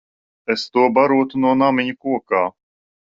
Es to barotu no namiņa kokā.